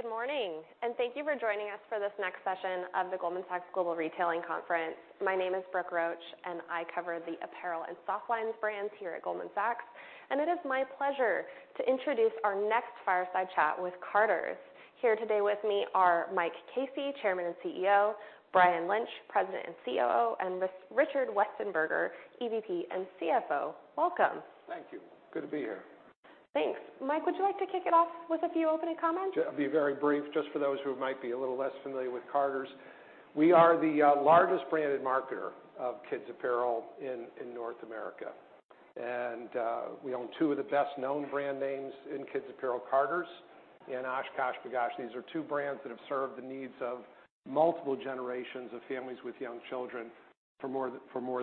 Good morning, and thank you for joining us for this next session of the Goldman Sachs Global Retailing Conference. My name is Brooke Roach, and I cover the apparel and softlines brands here at Goldman Sachs. It is my pleasure to introduce our next fireside chat with Carter's. Here today with me are Mike Casey, Chairman and CEO, Brian Lynch, President and COO, and Richard Westenberger, EVP and CFO. Welcome! Thank you. Good to be here. Thanks. Mike, would you like to kick it off with a few opening comments? I'll be very brief, just for those who might be a little less familiar with Carter's. We are the largest branded marketer of kids' apparel in North America. We own two of the best-known brand names in kids apparel, Carter's and OshKosh B'gosh. These are two brands that have served the needs of multiple generations of families with young children for more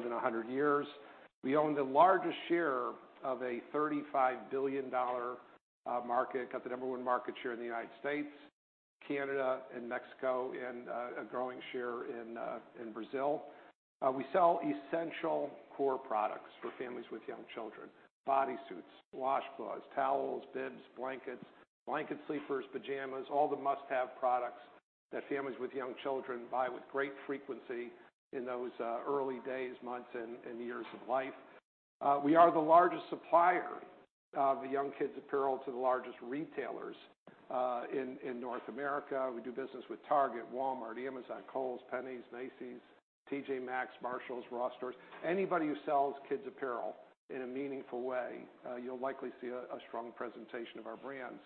than 100 years. We own the largest share of a $35 billion market. Got the number one market share in the United States, Canada, and Mexico, and a growing share in Brazil. We sell essential core products for families with young children: bodysuits, washcloths, towels, bibs, blankets, blanket sleepers, pajamas, all the must-have products that families with young children buy with great frequency in those early days, months, and years of life. We are the largest supplier of young kids apparel to the largest retailers in North America. We do business with Target, Walmart, Amazon, Kohl's, Penney's, Macy's, T.J. Maxx, Marshalls, Ross Stores. Anybody who sells kids apparel in a meaningful way, you'll likely see a strong presentation of our brands.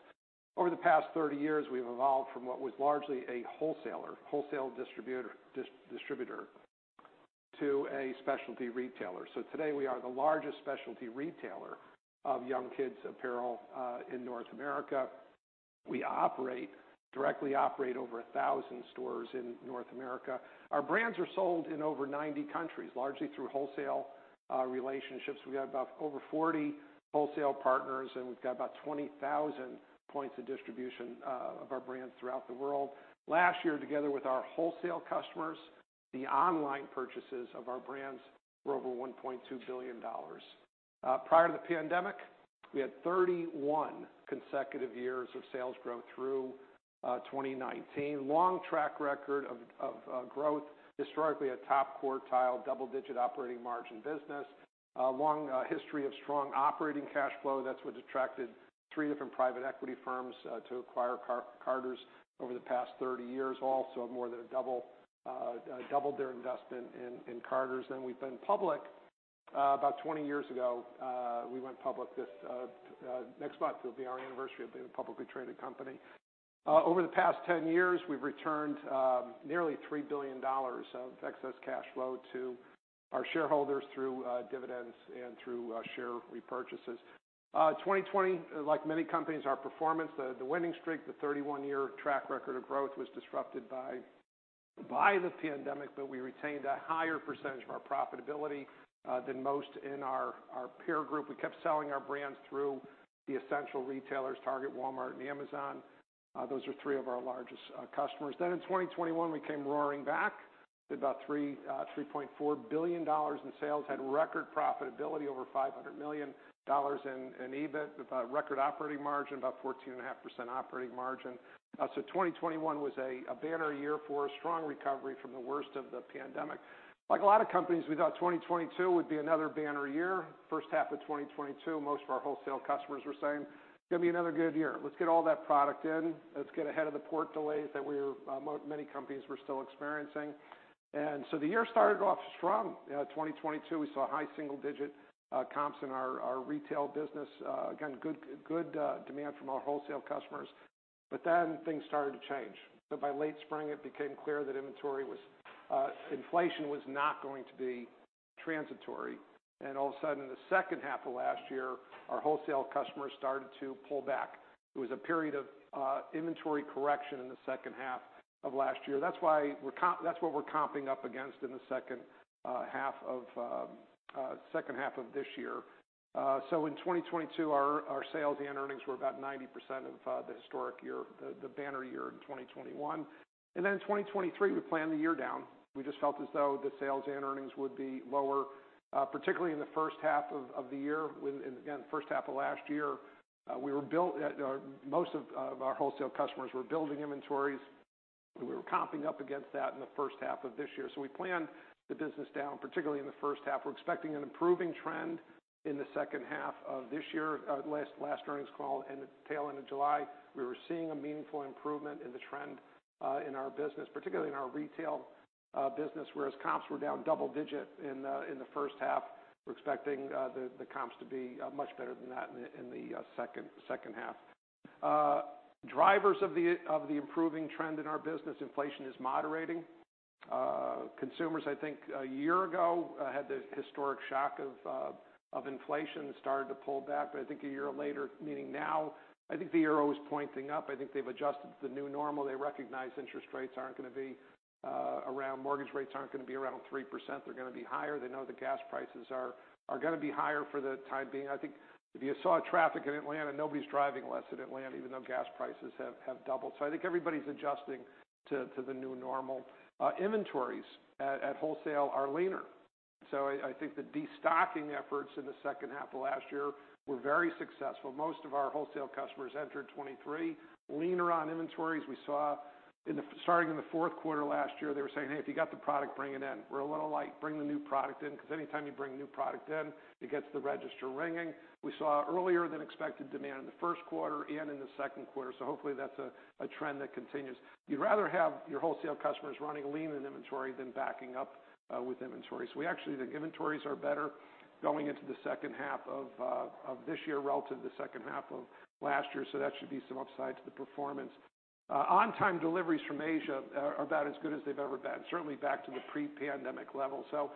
Over the past 30 years, we've evolved from what was largely a wholesale distributor to a specialty retailer. So today, we are the largest specialty retailer of young kids apparel in North America. We directly operate over 1,000 stores in North America. Our brands are sold in over 90 countries, largely through wholesale relationships. We have about over 40 wholesale partners, and we've got about 20,000 points of distribution of our brands throughout the world. Last year, together with our wholesale customers, the online purchases of our brands were over $1.2 billion. Prior to the pandemic, we had 31 consecutive years of sales growth through 2019. Long track record of growth, historically, a top quartile, double-digit operating margin business. Long history of strong operating cash flow. That's what attracted three different private equity firms to acquire Carter's over the past 30 years. Also, more than doubled their investment in Carter's. Then we've been public about 20 years ago. We went public. This next month will be our anniversary of being a publicly traded company. Over the past 10 years, we've returned nearly $3 billion of excess cash flow to our shareholders through dividends and through share repurchases. 2020, like many companies, our performance, the winning streak, the 31-year track record of growth was disrupted by the pandemic, but we retained a higher percentage of our profitability than most in our peer group. We kept selling our brands through the essential retailers: Target, Walmart, and Amazon. Those are three of our largest customers. Then in 2021, we came roaring back. Did about $3.4 billion in sales, had record profitability, over $500 million in EBIT, with a record operating margin, about 14.5% operating margin. So 2021 was a banner year for us, strong recovery from the worst of the pandemic. Like a lot of companies, we thought 2022 would be another banner year. First half of 2022, most of our wholesale customers were saying, "It's gonna be another good year. Let's get all that product in. Let's get ahead of the port delays that we're many companies were still experiencing." And so the year started off strong. 2022, we saw high single-digit comps in our retail business. Again, good demand from our wholesale customers, but then things started to change. So by late spring, it became clear that inventory was inflation was not going to be transitory. And all of a sudden, in the second half of last year, our wholesale customers started to pull back. It was a period of inventory correction in the second half of last year. That's why we're comp-that's what we're comping up against in the second half of this year. So in 2022, our sales and earnings were about 90% of the historic year, the banner year in 2021. And then in 2023, we planned the year down. We just felt as though the sales and earnings would be lower, particularly in the first half of the year. And again, first half of last year, we were built, most of our wholesale customers were building inventories, and we were comping up against that in the first half of this year. So we planned the business down, particularly in the first half. We're expecting an improving trend in the second half of this year. Last earnings call and the tail end of July, we were seeing a meaningful improvement in the trend in our business, particularly in our retail business. Whereas comps were down double digit in the first half, we're expecting the comps to be much better than that in the second half. Drivers of the improving trend in our business, inflation is moderating. Consumers, I think a year ago, had the historic shock of inflation and started to pull back. But I think a year later, meaning now, I think the arrow is pointing up. I think they've adjusted to the new normal. They recognize interest rates aren't gonna be around 3%... Mortgage rates aren't gonna be around 3%. They're gonna be higher. They know the gas prices are gonna be higher for the time being. I think if you saw traffic in Atlanta, nobody's driving less in Atlanta, even though gas prices have doubled. So I think everybody's adjusting to the new normal. Inventories at wholesale are leaner. So I think the destocking efforts in the second half of last year were very successful. Most of our wholesale customers entered 2023 leaner on inventories. We saw starting in the Q4 last year, they were saying: "Hey, if you got the product, bring it in. We're a little light. Bring the new product in, because anytime you bring new product in, it gets the register ringing." We saw earlier than expected demand in the Q1 and in the Q2, so hopefully, that's a trend that continues. You'd rather have your wholesale customers running lean in inventory than backing up with inventory. So we actually think inventories are better going into the second half of this year relative to the second half of last year, so that should be some upside to the performance. On-time deliveries from Asia are about as good as they've ever been. Certainly back to the pre-pandemic level. So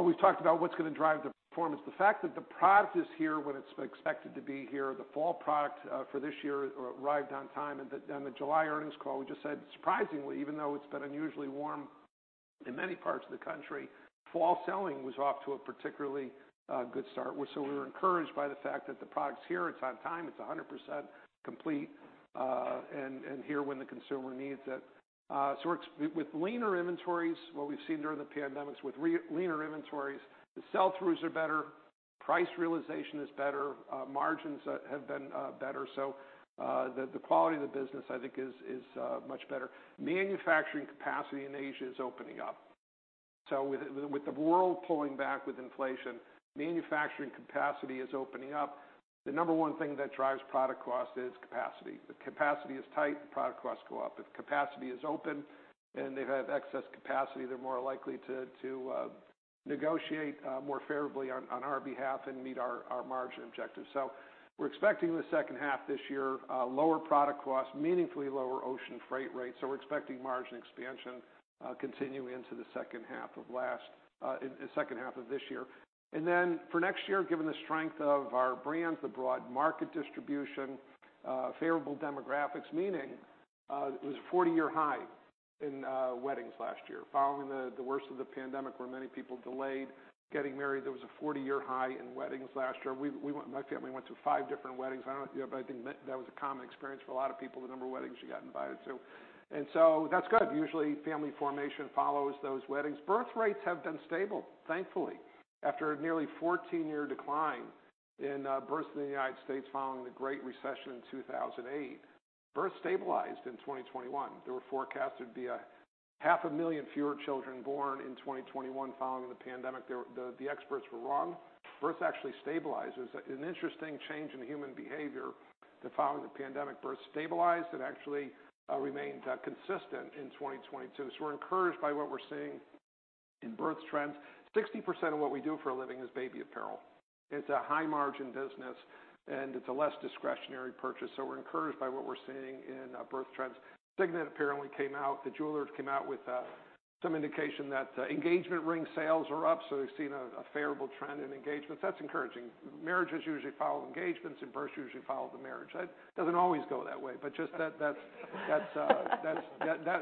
we've talked about what's gonna drive the performance. The fact that the product is here when it's expected to be here, the fall product for this year arrived on time. And the July earnings call, we just said, surprisingly, even though it's been unusually warm in many parts of the country, fall selling was off to a particularly good start. So we were encouraged by the fact that the product's here, it's on time, it's 100% complete, and here when the consumer needs it. So we're with leaner inventories, what we've seen during the pandemics with leaner inventories, the sell-throughs are better, price realization is better, margins have been better. So the quality of the business, I think is much better. Manufacturing capacity in Asia is opening up. So with the world pulling back with inflation, manufacturing capacity is opening up. The number one thing that drives product cost is capacity. If the capacity is tight, the product costs go up. If capacity is open and they have excess capacity, they're more likely to negotiate more favorably on our behalf and meet our margin objectives. So we're expecting in the second half this year, lower product costs, meaningfully lower ocean freight rates. So we're expecting margin expansion, continuing into the second half of this year. And then for next year, given the strength of our brands, the broad market distribution, favorable demographics, meaning, it was a 40-year high in weddings last year. Following the worst of the pandemic, where many people delayed getting married, there was a 40-year high in weddings last year. My family went to five different weddings. I don't know about you, but I think that was a common experience for a lot of people, the number of weddings you got invited to. And so that's good. Usually, family formation follows those weddings. Birth rates have been stable, thankfully. After a nearly 14-year decline in births in the United States, following the Great Recession in 2008, births stabilized in 2021. There were forecasts there'd be 500,000 fewer children born in 2021 following the pandemic. The experts were wrong. Births actually stabilized. It was an interesting change in human behavior, that following the pandemic, births stabilized and actually remained consistent in 2022. So we're encouraged by what we're seeing in birth trends. 60% of what we do for a living is baby apparel. It's a high-margin business, and it's a less discretionary purchase, so we're encouraged by what we're seeing in birth trends. Signet apparently came out, the jewelers came out with some indication that engagement ring sales are up, so they've seen a favorable trend in engagements. That's encouraging. Marriages usually follow engagements, and births usually follow the marriage. That doesn't always go that way, but just that. That's...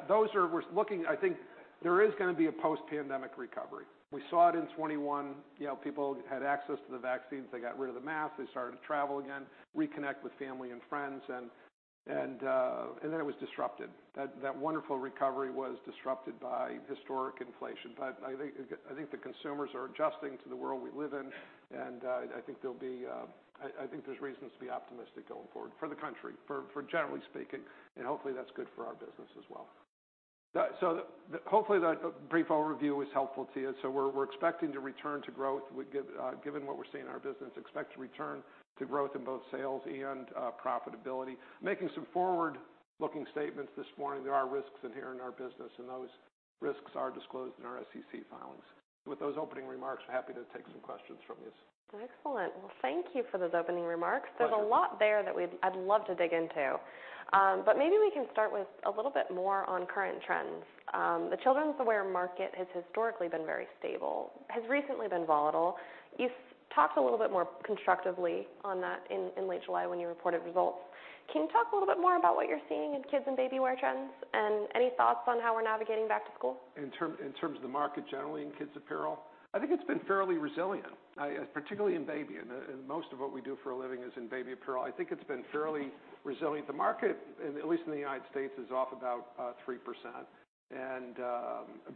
Those are -- we're looking -- I think there is gonna be a post-pandemic recovery. We saw it in 2021. You know, people had access to the vaccines, they got rid of the mask, they started to travel again, reconnect with family and friends, and then it was disrupted. That wonderful recovery was disrupted by historic inflation. But I think the consumers are adjusting to the world we live in, and I think they'll be... I think there's reasons to be optimistic going forward for the country, for generally speaking, and hopefully that's good for our business as well. So hopefully that brief overview was helpful to you. So we're expecting to return to growth. We give, given what we're seeing in our business, expect to return to growth in both sales and profitability. Making some forward-looking statements this morning, there are risks inherent in our business, and those risks are disclosed in our SEC filings. With those opening remarks, we're happy to take some questions from you. Excellent. Well, thank you for those opening remarks. Pleasure. There's a lot there that I'd love to dig into, but maybe we can start with a little bit more on current trends. The children's wear market has historically been very stable, has recently been volatile. You've talked a little bit more constructively on that in late July, when you reported results. Can you talk a little bit more about what you're seeing in kids and baby wear trends, and any thoughts on how we're navigating back to school? In terms of the market generally, in kids apparel? I think it's been fairly resilient, particularly in baby, and most of what we do for a living is in baby apparel. I think it's been fairly resilient. The market, at least in the United States, is off about 3%, and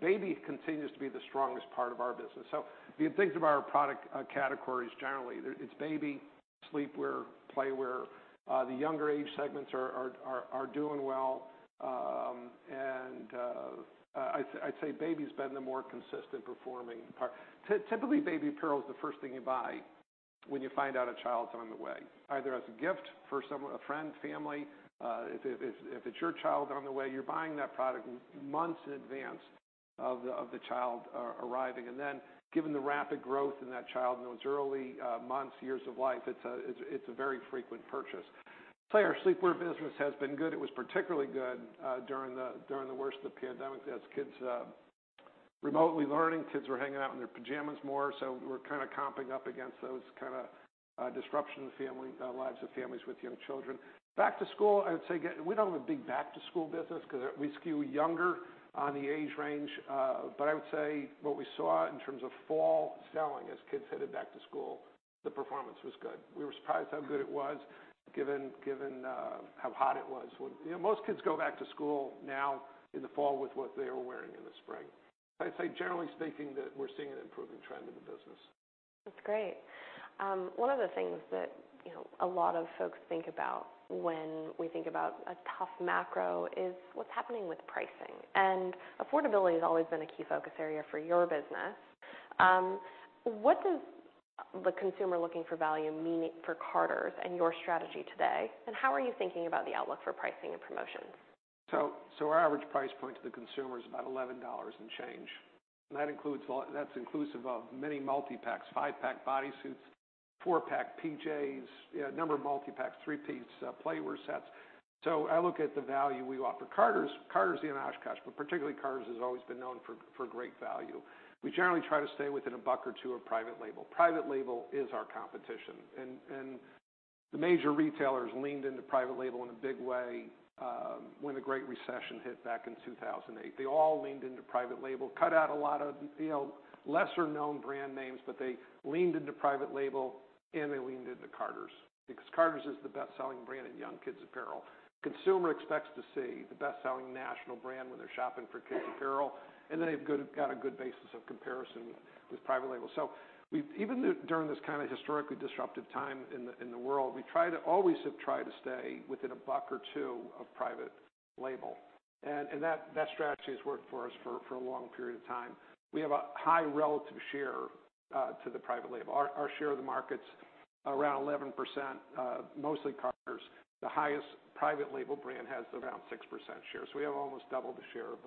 baby continues to be the strongest part of our business. So if you think about our product categories, generally, it's baby, sleepwear, playwear. The younger age segments are doing well, and I'd say baby's been the more consistent performing part. Typically, baby apparel is the first thing you buy when you find out a child's on the way, either as a gift for someone, a friend, family. If it's your child on the way, you're buying that product months in advance of the child arriving. And then, given the rapid growth in that child in those early months, years of life, it's a very frequent purchase. Play or sleepwear business has been good. It was particularly good during the worst of the pandemic as kids remotely learning, kids were hanging out in their pajamas more. So we're kinda comping up against those kinda disruption to family lives of families with young children. Back to school, I would say we don't have a big back-to-school business because we skew younger on the age range. But I would say what we saw in terms of fall selling as kids headed back to school, the performance was good. We were surprised how good it was, given how hot it was. Well, you know, most kids go back to school now in the fall with what they were wearing in the spring. I'd say, generally speaking, that we're seeing an improving trend in the business. That's great. One of the things that, you know, a lot of folks think about when we think about a tough macro is what's happening with pricing, and affordability has always been a key focus area for your business. What does the consumer looking for value mean for Carter's and your strategy today, and how are you thinking about the outlook for pricing and promotions? So our average price point to the consumer is about $11 and change, and that includes a lot. That's inclusive of many multi-packs, five pack bodysuits, four pack PJs, a number of multi-packs, three piece playwear sets. So I look at the value we offer. Carter's, Carter's and OshKosh, but particularly Carter's, has always been known for great value. We generally try to stay within a buck or two of private label. Private label is our competition, and the major retailers leaned into private label in a big way when the Great Recession hit back in 2008. They all leaned into private label, cut out a lot of, you know, lesser-known brand names, but they leaned into private label, and they leaned into Carter's. Because Carter's is the best-selling brand in young kids apparel. Consumer expects to see the best-selling national brand when they're shopping for kids apparel, and they've got a good basis of comparison with private label. So we've even during this kind of historically disruptive time in the world, we try to always have tried to stay within a buck or two of private label. And that strategy has worked for us for a long period of time. We have a high relative share to the private label. Our share of the market's around 11%, mostly Carter's. The highest private label brand has around 6% share. So we have almost double the share of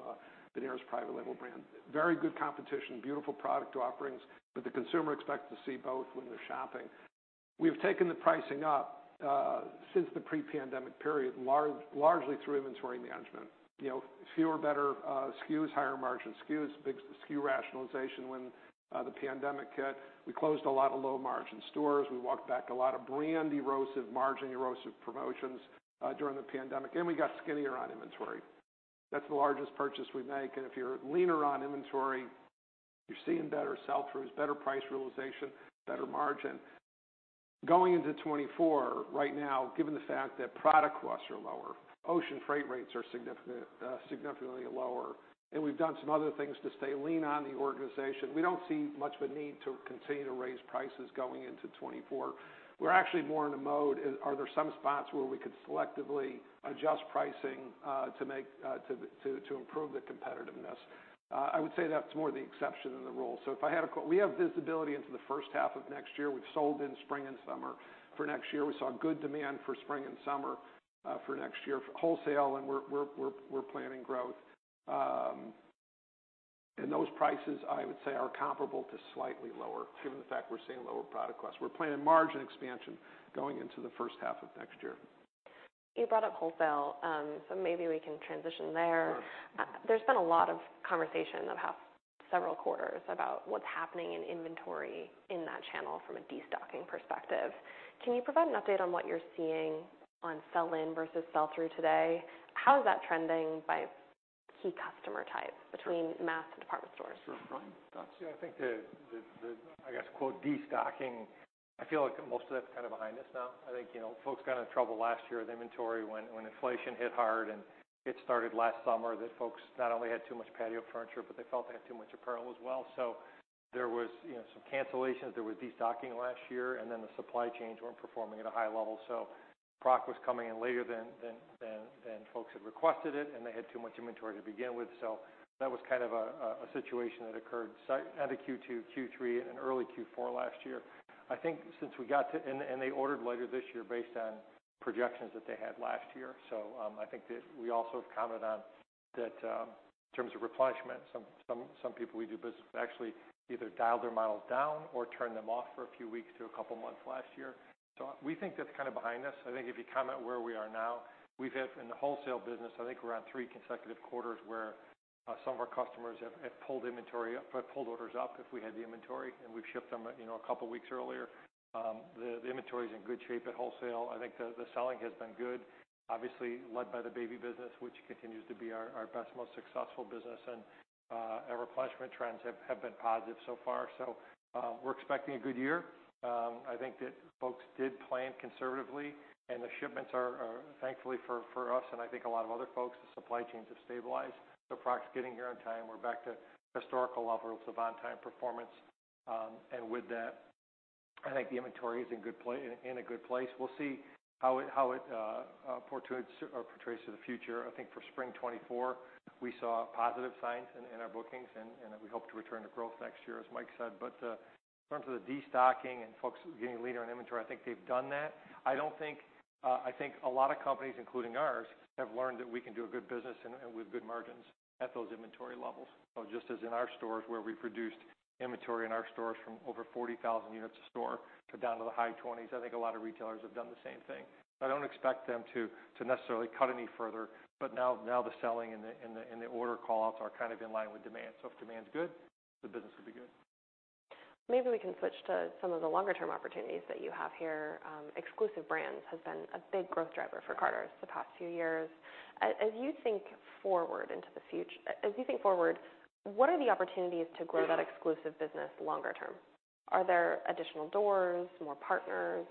the nearest private label brand. Very good competition, beautiful product offerings, but the consumer expects to see both when they're shopping. We've taken the pricing up since the pre-pandemic period, largely through inventory management. You know, fewer, better SKUs, higher margin SKUs, big SKU rationalization. When the pandemic hit, we closed a lot of low-margin stores. We walked back a lot of brand-erosive, margin-erosive promotions during the pandemic, and we got skinnier on inventory. That's the largest purchase we make, and if you're leaner on inventory, you're seeing better sell-throughs, better price realization, better margin. Going into 2024, right now, given the fact that product costs are lower, ocean freight rates are significantly lower, and we've done some other things to stay lean on the organization, we don't see much of a need to continue to raise prices going into 2024. We're actually more in a mode. Are there some spots where we could selectively adjust pricing to improve the competitiveness? I would say that's more the exception than the rule. We have visibility into the first half of next year. We've sold in spring and summer. For next year, we saw good demand for spring and summer for next year for wholesale, and we're planning growth. And those prices, I would say, are comparable to slightly lower, given the fact we're seeing lower product costs. We're planning margin expansion going into the first half of next year. You brought up wholesale, so maybe we can transition there. Sure. There's been a lot of conversation about several quarters, about what's happening in inventory in that channel from a destocking perspective. Can you provide an update on what you're seeing on sell-in versus sell-through today? How is that trending by key customer types between mass and department stores? Sure. Right. That's, yeah, I think the, I guess, quote, "destocking," I feel like most of that's kind of behind us now. I think, you know, folks got in trouble last year with inventory when inflation hit hard, and it started last summer, that folks not only had too much patio furniture, but they felt they had too much apparel as well. So there was, you know, some cancellations. There was destocking last year, and then the supply chains weren't performing at a high level, so product was coming in later than folks had requested it, and they had too much inventory to begin with. So that was kind of a situation that occurred end of Q2, Q3, and early Q4 last year. I think since we got to. They ordered later this year based on projections that they had last year. So, I think that we also have commented on that, in terms of replenishment, some people we do business with actually either dialed their models down or turned them off for a few weeks to a couple of months last year. So we think that's kind of behind us. I think if you comment where we are now, we've had, in the wholesale business, I think we're on three consecutive quarters where some of our customers have pulled inventory up, pulled orders up if we had the inventory, and we've shipped them, you know, a couple of weeks earlier. The inventory is in good shape at wholesale. I think the selling has been good. Obviously, led by the baby business, which continues to be our best, most successful business, and our replenishment trends have been positive so far. So, we're expecting a good year. I think that folks did plan conservatively, and the shipments are thankfully for us, and I think a lot of other folks, the supply chains have stabilized. So product's getting here on time. We're back to historical levels of on-time performance. And with that, I think the inventory is in a good place. We'll see how it portends or portrays to the future. I think for spring 2024, we saw positive signs in our bookings, and we hope to return to growth next year, as Mike said. But in terms of the destocking and folks getting leaner on inventory, I think they've done that. I think a lot of companies, including ours, have learned that we can do a good business and with good margins at those inventory levels. So just as in our stores, where we reduced inventory in our stores from over 40,000 units a store to down to the high 20s, I think a lot of retailers have done the same thing. I don't expect them to necessarily cut any further, but now the selling and the order call-outs are kind of in line with demand. So if demand's good, the business will be good. Maybe we can switch to some of the longer-term opportunities that you have here. Exclusive brands has been a big growth driver for Carter's the past few years. As you think forward, what are the opportunities to grow that exclusive business longer term? Are there additional doors, more partners?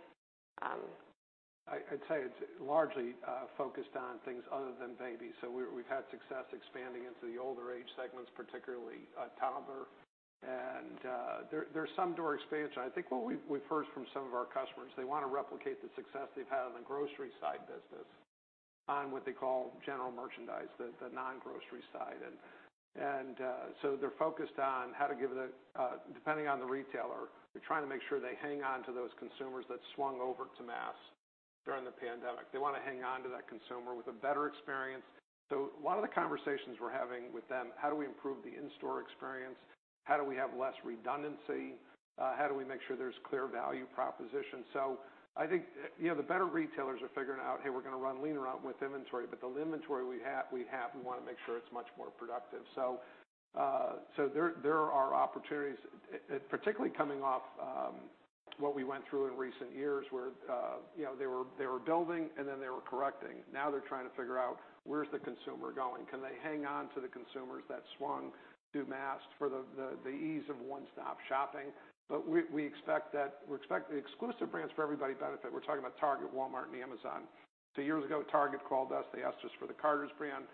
I'd say it's largely focused on things other than babies. So we've had success expanding into the older age segments, particularly toddler. And there's some door expansion. I think what we've heard from some of our customers, they wanna replicate the success they've had on the grocery side business on what they call general merchandise, the non-grocery side. And so they're focused on how to give the... Depending on the retailer, they're trying to make sure they hang on to those consumers that swung over to mass during the pandemic. They wanna hang on to that consumer with a better experience. So a lot of the conversations we're having with them, how do we improve the in-store experience? How do we have less redundancy? How do we make sure there's clear value proposition? So I think, you know, the better retailers are figuring out, "Hey, we're gonna run leaner out with inventory, but the inventory we have, we wanna make sure it's much more productive." So, there are opportunities, particularly coming off what we went through in recent years, where, you know, they were building, and then they were correcting. Now, they're trying to figure out, where's the consumer going? Can they hang on to the consumers that swung to mass for the ease of one-stop shopping? But we expect that. We expect the exclusive brands for everybody benefit. We're talking about Target, Walmart, and Amazon. So years ago, Target called us, they asked us for the Carter's brand.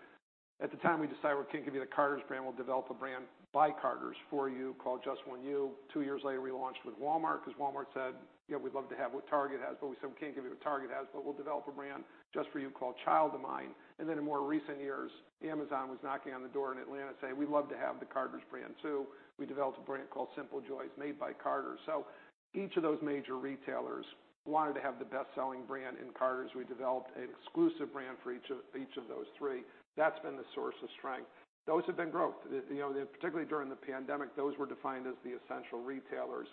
At the time, we decided we can't give you the Carter's brand. We'll develop a brand by Carter's for you, called Just One You. Two years later, we launched with Walmart, because Walmart said: "You know, we'd love to have what Target has." But we said: "We can't give you what Target has, but we'll develop a brand just for you, called Child of Mine." And then in more recent years, Amazon was knocking on the door in Atlanta saying: "We'd love to have the Carter's brand, too." We developed a brand called Simple Joys, made by Carter's. So each of those major retailers wanted to have the best-selling brand in Carter's. We developed an exclusive brand for each of those three. That's been the source of strength. Those have been growth. You know, particularly during the pandemic, those were defined as the essential retailers.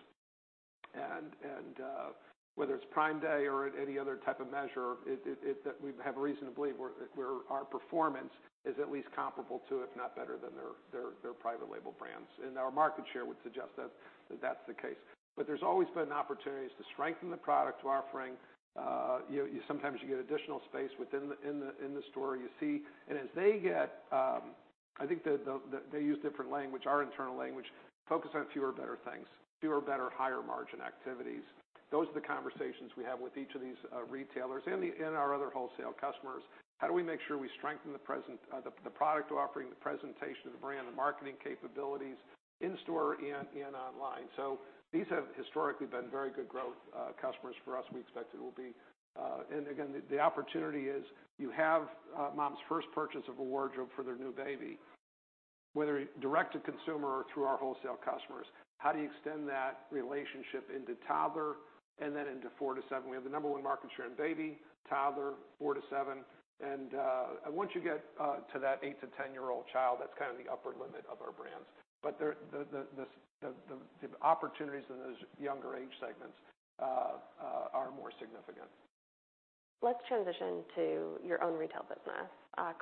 Whether it's Prime Day or any other type of measure, it that we have reason to believe where our performance is at least comparable to, if not better than their private label brands. And our market share would suggest that that's the case. But there's always been opportunities to strengthen the product offering. You sometimes get additional space within the store. You see. And as they get... I think they use different language, our internal language, "Focus on fewer, better things. Fewer, better, higher margin activities." Those are the conversations we have with each of these retailers and our other wholesale customers. How do we make sure we strengthen the present, the product offering, the presentation of the brand, the marketing capabilities in store and online? So these have historically been very good growth customers for us. We expect it will be. And again, the opportunity is, you have mom's first purchase of a wardrobe for their new baby, whether direct to consumer or through our wholesale customers. How do you extend that relationship into toddler, and then into four to seven? We have the number one market share in baby, toddler, four to seven. And once you get to that eight to ten-year-old child, that's kind of the upper limit of our brands. But the opportunities in those younger age segments are more significant. Let's transition to your own retail business.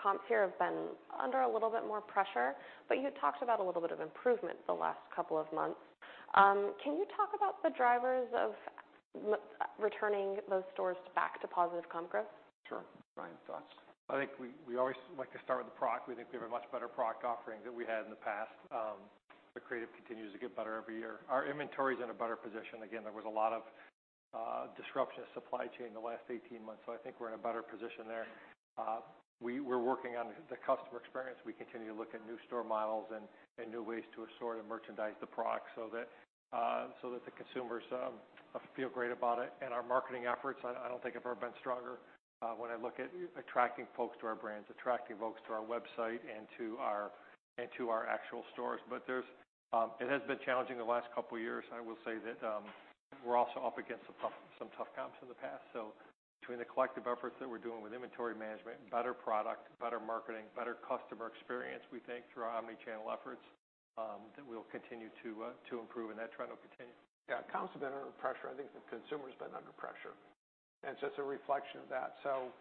Comps here have been under a little bit more pressure, but you talked about a little bit of improvement the last couple of months. Can you talk about the drivers of returning those stores back to positive comp growth? Sure. Brian, thoughts? I think we always like to start with the product. We think we have a much better product offering than we had in the past. The creative continues to get better every year. Our inventory is in a better position. Again, there was a lot of disruption to supply chain in the last 18 months, so I think we're in a better position there. We're working on the customer experience. We continue to look at new store models and new ways to assort and merchandise the product, so that the consumers feel great about it. And our marketing efforts, I don't think have ever been stronger when I look at attracting folks to our brands, attracting folks to our website, and to our actual stores. But there's-It has been challenging the last couple of years. I will say that, we're also up against some tough comps in the past. Between the collective efforts that we're doing with inventory management, better product, better marketing, better customer experience, we think through our Omni-channel efforts, that we'll continue to improve and that trend will continue. Yeah, comps have been under pressure. I think the consumer has been under pressure, and so it's a reflection of that. So,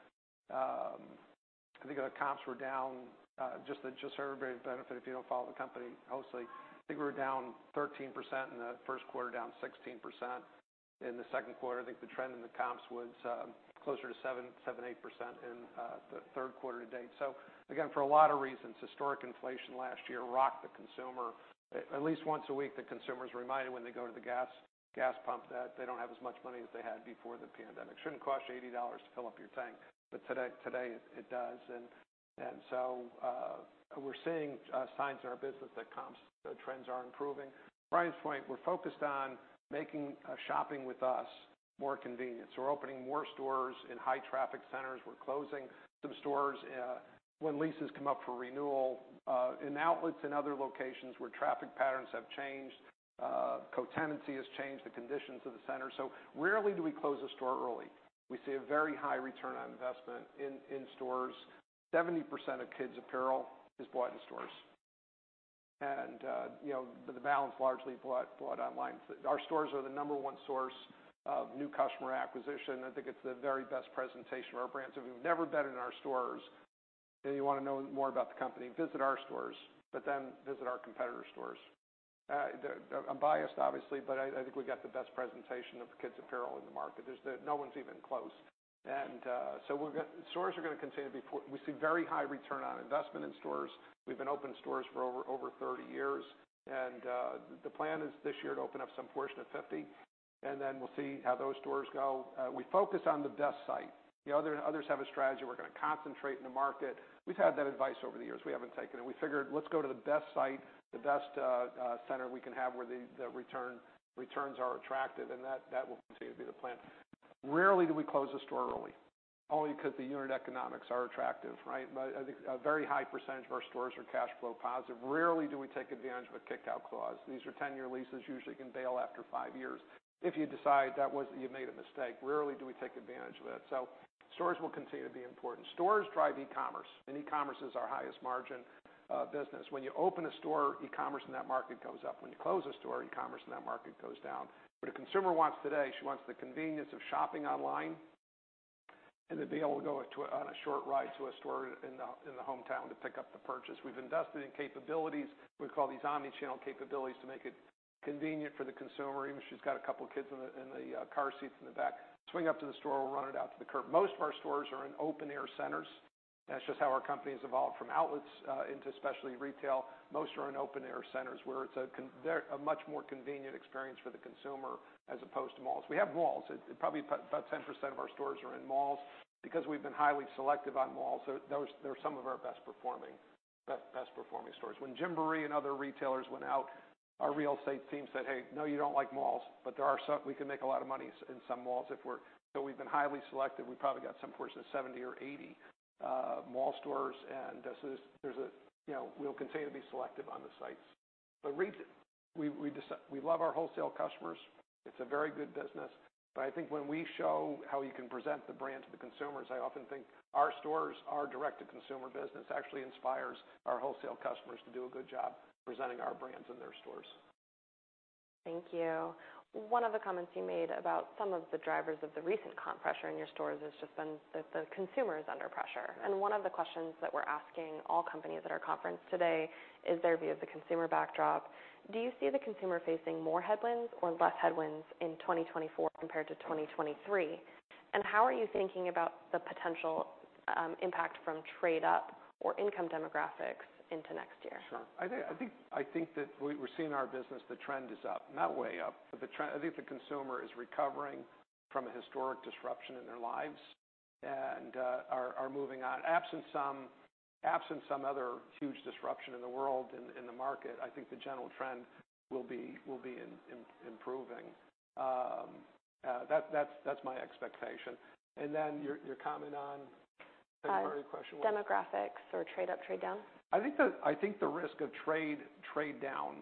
I think the comps were down just so everybody benefit, if you don't follow the company closely, I think we were down 13% in the Q1, down 16% in the Q2. I think the trend in the comps was closer to 7%-8% in the Q3 to date. So again, for a lot of reasons, historic inflation last year rocked the consumer. At least once a week, the consumer is reminded when they go to the gas pump, that they don't have as much money as they had before the pandemic. Shouldn't cost you $80 to fill up your tank, but today it does. And so, we're seeing signs in our business that comps, the trends are improving. Brian's point, we're focused on making shopping with us more convenient. So we're opening more stores in high traffic centers. We're closing some stores when leases come up for renewal, and outlets in other locations where traffic patterns have changed, co-tenancy has changed the conditions of the center. So rarely do we close a store early. We see a very high return on investment in stores. 70% of kids' apparel is bought in stores. And, you know, the balance largely bought online. Our stores are the number one source of new customer acquisition. I think it's the very best presentation of our brands. If you've never been in our stores and you want to know more about the company, visit our stores, but then visit our competitors' stores. I'm biased, obviously, but I, I think we got the best presentation of kids apparel in the market. No one's even close. Stores are gonna continue to be. We see very high return on investment in stores. We've been opening stores for over 30 years, and the plan is this year to open up some portion of 50 and then we'll see how those stores go. We focus on the best site. Others have a strategy, we're gonna concentrate in the market. We've had that advice over the years. We haven't taken it. We figured, let's go to the best site, the best center we can have, where the returns are attractive, and that will continue to be the plan. Rarely do we close a store early, only because the unit economics are attractive, right? But I think a very high percentage of our stores are cash flow positive. Rarely do we take advantage of a kick-out clause. These are 10-year leases, usually you can bail after five years if you decide that was, you made a mistake. Rarely do we take advantage of that. So stores will continue to be important. Stores drive e-commerce, and e-commerce is our highest margin business. When you open a store, e-commerce in that market goes up. When you close a store, e-commerce in that market goes down. What a consumer wants today, she wants the convenience of shopping online, and to be able to go to a, on a short ride to a store in the, in the hometown to pick up the purchase. We've invested in capabilities. We call these Omni-channel capabilities, to make it convenient for the consumer. Even if she's got a couple kids in the, in the, car seats in the back, swing up to the store, we'll run it out to the curb. Most of our stores are in open-air centers. That's just how our company has evolved from outlets, into specialty retail. Most are in open-air centers, where it's a—they're a much more convenient experience for the consumer, as opposed to malls. We have malls. It, probably about, about 10% of our stores are in malls. Because we've been highly selective on malls, so those they're some of our best performing stores. When Gymboree and other retailers went out, our real estate team said: "Hey, no, you don't like malls, but there are some we can make a lot of money in some malls if we're." So we've been highly selective. We probably got some portion of 70 or 80 mall stores, and, you know, we'll continue to be selective on the sites. But we love our wholesale customers. It's a very good business, but I think when we show how you can present the brand to the consumers, I often think our stores, our direct-to-consumer business, actually inspires our wholesale customers to do a good job presenting our brands in their stores. Thank you. One of the comments you made about some of the drivers of the recent comp pressure in your stores has just been that the consumer is under pressure. And one of the questions that we're asking all companies at our conference today is their view of the consumer backdrop. Do you see the consumer facing more headwinds or less headwinds in 2024 compared to 2023? And how are you thinking about the potential impact from trade up or income demographics into next year? Sure. I think that we're seeing in our business, the trend is up, not way up, but the trend, I think the consumer is recovering from a historic disruption in their lives and are moving on. Absent some other huge disruption in the world and in the market, I think the general trend will be improving. That's my expectation. And then your comment on. Sorry, your question was? Demographics or trade up, trade down. I think the risk of trade down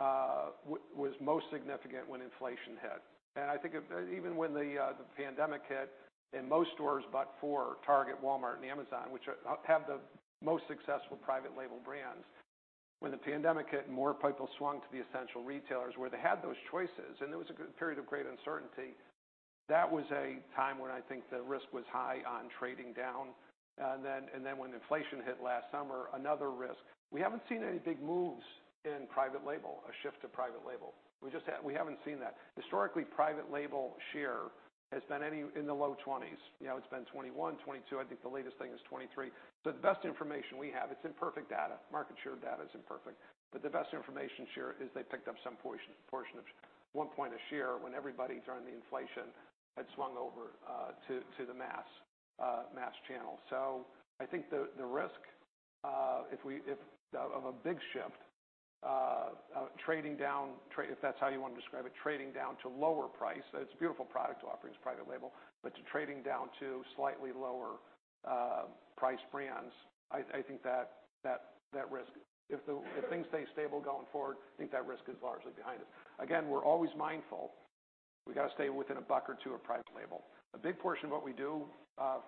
was most significant when inflation hit. And I think it, even when the pandemic hit, in most stores, but for Target, Walmart, and Amazon, which have the most successful Private Label brands. When the pandemic hit, more people swung to the essential retailers where they had those choices, and there was a good period of great uncertainty. That was a time when I think the risk was high on trading down, and then when inflation hit last summer, another risk. We haven't seen any big moves in Private Label, a shift to Private Label. We just have we haven't seen that. Historically, Private Label share has been any in the low 20s. You know, it's been 21, 22. I think the latest thing is 23. So the best information we have, it's imperfect data. Market share data is imperfect, but the best information share is they picked up some portion of 1 point of share when everybody during the inflation had swung over to the mass channel. So I think the risk of a big shift trading down if that's how you want to describe it trading down to lower price, it's a beautiful product offerings, private label, but to trading down to slightly lower price brands, I think that risk. If things stay stable going forward, I think that risk is largely behind us. Again, we're always mindful. We gotta stay within a buck or two of private label. A big portion of what we do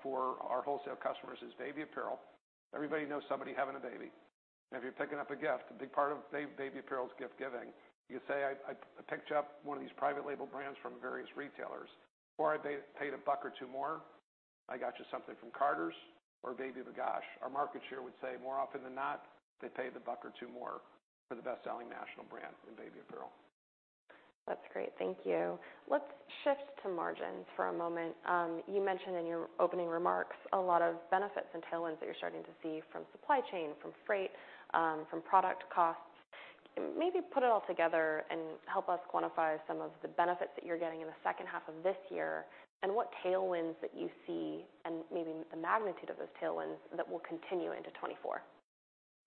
for our wholesale customers is baby apparel. Everybody knows somebody having a baby, and if you're picking up a gift, a big part of baby apparel is gift giving. You say, "I, I picked you up one of these private label brands from various retailers, or I paid a buck or two more, I got you something from Carter's or OshKosh B'gosh." Our market share would say, more often than not, they pay the buck or two more for the best-selling national brand in baby apparel. That's great. Thank you. Let's shift to margins for a moment. You mentioned in your opening remarks a lot of benefits and tailwinds that you're starting to see from supply chain, from freight, from product costs. Maybe put it all together and help us quantify some of the benefits that you're getting in the second half of this year, and what tailwinds that you see, and maybe the magnitude of those tailwinds, that will continue into 2024.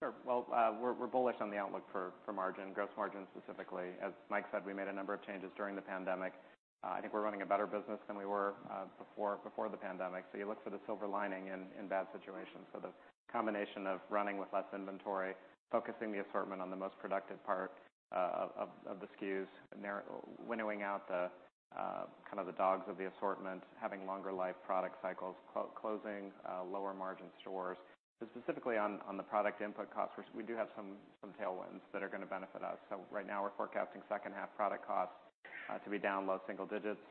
Sure. Well, we're bullish on the outlook for margin, gross margin, specifically. As Mike said, we made a number of changes during the pandemic. I think we're running a better business than we were before the pandemic. So you look for the silver lining in bad situations. So the combination of running with less inventory, focusing the assortment on the most productive part of the SKUs, winnowing out the kind of the dogs of the assortment, having longer life product cycles, closing lower margin stores. But specifically, on the product input costs, which we do have some tailwinds that are gonna benefit us. So right now, we're forecasting second half product costs to be down low single digits.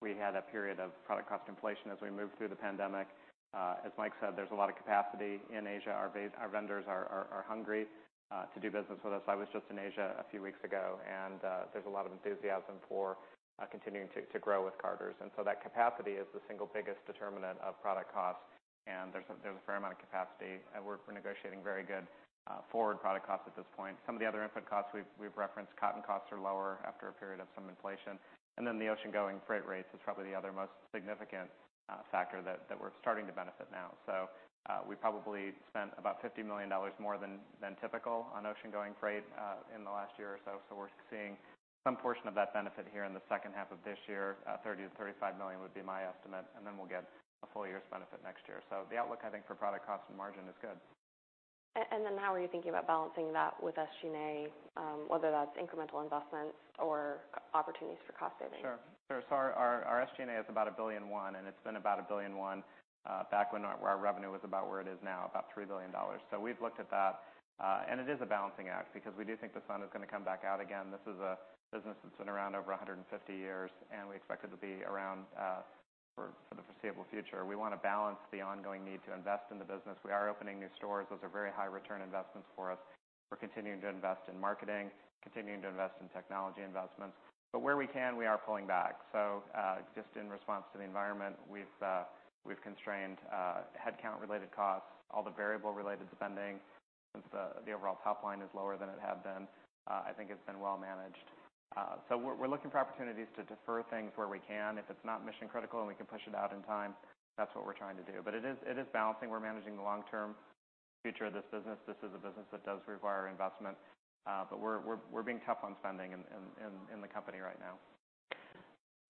We had a period of product cost inflation as we moved through the pandemic. As Mike said, there's a lot of capacity in Asia. Our vendors are hungry to do business with us. I was just in Asia a few weeks ago, and there's a lot of enthusiasm for continuing to grow with Carter's. And so that capacity is the single biggest determinant of product cost, and there's a fair amount of capacity, and we're negotiating very good forward product costs at this point. Some of the other input costs we've referenced. Cotton costs are lower after a period of some inflation, and then the ocean-going freight rates is probably the other most significant factor that we're starting to benefit now. So, we probably spent about $50 million more than typical on ocean-going freight in the last year or so, so we're seeing some portion of that benefit here in the second half of this year. Thirty to thirty-five million would be my estimate, and then we'll get a full year's benefit next year. So the outlook, I think, for product cost and margin is good. And then how are you thinking about balancing that with SG&A, whether that's incremental investments or opportunities for cost savings? Sure. Sure. So our SG&A is about $1.1 billion, and it's been about $1.1 billion back when our revenue was about where it is now, about $3 billion. So we've looked at that, and it is a balancing act because we do think the sun is gonna come back out again. This is a business that's been around over 150 years, and we expect it to be around for the foreseeable future. We wanna balance the ongoing need to invest in the business. We are opening new stores. Those are very high return investments for us. We're continuing to invest in marketing, continuing to invest in technology investments, but where we can, we are pulling back. So, just in response to the environment, we've constrained headcount-related costs, all the variable-related spending, since the overall top line is lower than it had been. I think it's been well managed. So we're looking for opportunities to defer things where we can. If it's not mission critical and we can push it out in time, that's what we're trying to do. But it is balancing. We're managing the long-term future of this business. This is a business that does require investment, but we're being tough on spending in the company right now.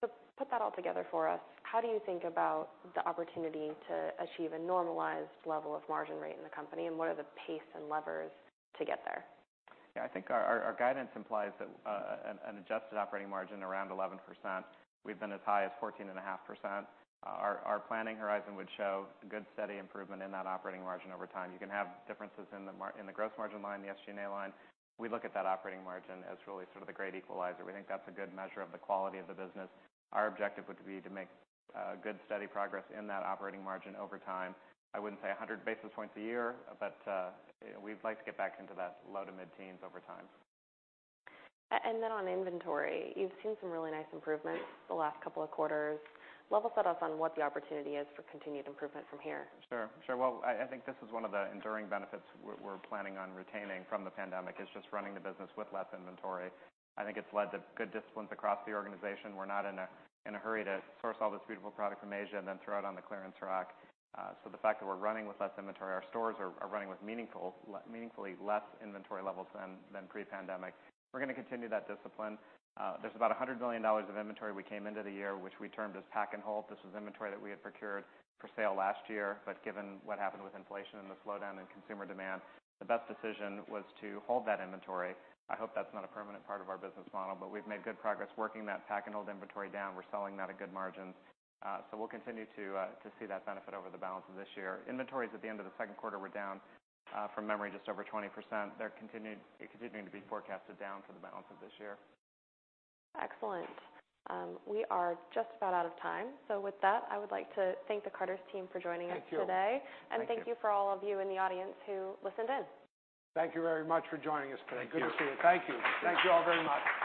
So put that all together for us. How do you think about the opportunity to achieve a normalized level of margin rate in the company, and what are the pace and levers to get there? Yeah, I think our guidance implies that an adjusted operating margin around 11%. We've been as high as 14.5%. Our planning horizon would show good, steady improvement in that operating margin over time. You can have differences in the gross margin line, the SG&A line. We look at that operating margin as really sort of the great equalizer. We think that's a good measure of the quality of the business. Our objective would be to make good, steady progress in that operating margin over time. I wouldn't say 100 basis points a year, but we'd like to get back into that low to mid-teens over time. And then on inventory, you've seen some really nice improvements the last couple of quarters. Level set us on what the opportunity is for continued improvement from here. Sure, sure. Well, I think this is one of the enduring benefits we're planning on retaining from the pandemic, is just running the business with less inventory. I think it's led to good disciplines across the organization. We're not in a hurry to source all this beautiful product from Asia and then throw it on the clearance rack. So the fact that we're running with less inventory, our stores are running with meaningfully less inventory levels than pre-pandemic. We're gonna continue that discipline. There's about $100 million of inventory we came into the year, which we termed as Pack and Hold. This was inventory that we had procured for sale last year, but given what happened with inflation and the slowdown in consumer demand, the best decision was to hold that inventory. I hope that's not a permanent part of our business model, but we've made good progress working that Pack and Hold inventory down. We're selling that at good margins. So we'll continue to see that benefit over the balance of this year. Inventories at the end of the Q2 were down, from memory, just over 20%. They're continuing to be forecasted down for the balance of this year. Excellent. We are just about out of time. So with that, I would like to thank the Carter's team for joining us today. Thank you. Thank you for all of you in the audience who listened in. Thank you very much for joining us today. Thank you. Good to see you. Thank you. Thank you all very much.